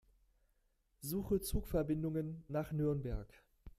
Suche Zugverbindungen nach Nürnberg.